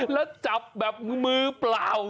แล้วจับแบบมือเปล่า